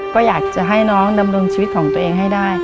ก็อยากจะให้น้องดำรงชีวิตของตัวเองให้ได้